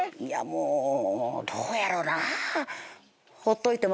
もうどうやろなぁ。